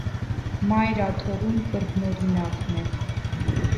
Մայր աթոռում կրկնօրինակն է։